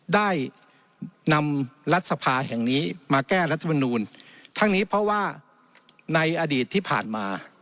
ได้นำรัฐสภาแห่งนี้มาแก้รัฐมนูลทั้งนี้เพราะว่าในอดีตที่ผ่านมา